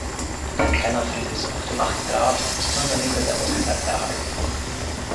Ein kleiner Fries auf dem Architrav ist nur an der Mitte der Ostseite erhalten.